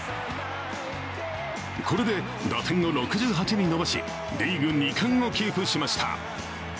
これで打点を６８に伸ばし、リーグ２冠をキープしました。